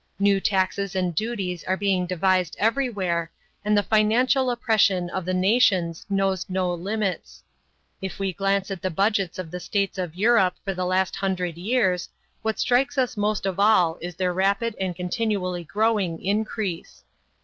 New taxes and duties are being devised everywhere, and the financial oppression of the nations knows no limits. If we glance at the budgets of the states of Europe for the last hundred years, what strikes us most of all is their rapid and continually growing increase.